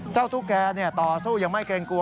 ตุ๊กแก่ต่อสู้ยังไม่เกรงกลัว